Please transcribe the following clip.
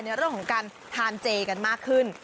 ในเรื่องของการทานเจกันมากขึ้น